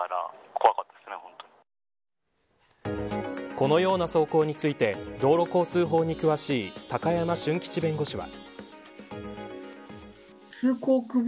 このような走行について道路交通法に詳しい高山俊吉弁護士は。